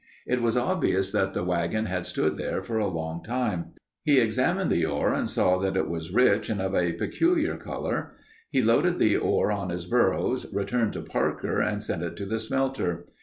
It was obvious that the wagon had stood there for a long time. He examined the ore and saw that it was rich and of a peculiar color. He loaded the ore on his burros, returned to Parker and sent it to the smelter.